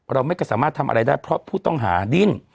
เราก็สามารถทำอะไรได้เพราะผู้ต้องหาดิ้น